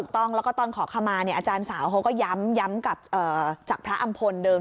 ต้องแล้วก็ตอนขอขมาอาจารย์สาวเขาก็ย้ำจากพระอำพลเดิม